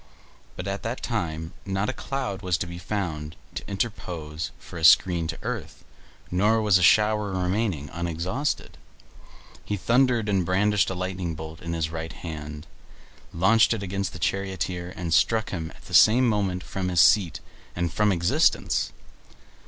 But at that time not a cloud was to be found to interpose for a screen to earth, nor was a shower remaining unexhausted. He thundered, and brandishing a lightning bolt in his right hand launched it against the charioteer, and struck him at the same moment from his seat and from existence!